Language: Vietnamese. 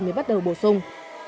mới bắt đầu bổ sung